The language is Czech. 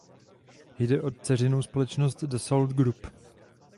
Jde o dceřinou společnost Dassault Group.